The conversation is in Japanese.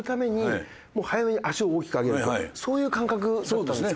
そういう感覚だったんですか？